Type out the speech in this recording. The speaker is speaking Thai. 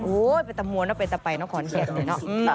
โอ๊ยเป็นแต่มัวเป็นแต่ไปนะขอนแก่น